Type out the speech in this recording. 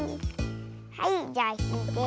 はいじゃあひいて。